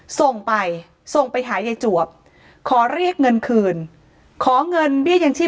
ส่งไปส่งไปหายายจวบขอเรียกเงินคืนขอเงินเบี้ยยังชีพ